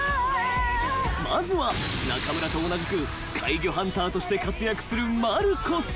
［まずは中村と同じく怪魚ハンターとして活躍するマルコス］